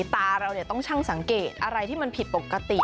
ตาเราต้องช่างสังเกตอะไรที่มันผิดปกติ